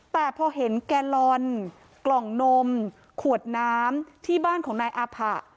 แต่พอเห็นแกลลอนกล่องนมขวดน้ำที่บ้านของนายอาผะ